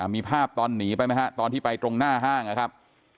มีภาพตอนหนีไปไหมฮะตอนที่ไปตรงหน้าห้างนะครับ